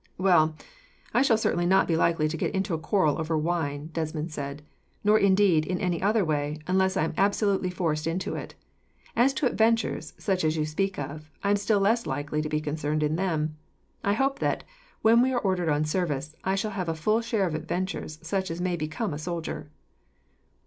"Well, I shall certainly not be likely to get into a quarrel over wine," Desmond said, "nor indeed, in any other way, unless I am absolutely forced into it. As to adventures such as you speak of, I am still less likely to be concerned in them. I hope that, when we are ordered on service, I shall have a full share of adventures such as may become a soldier."